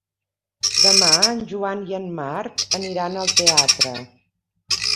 Demà en Joan i en Marc aniran al teatre.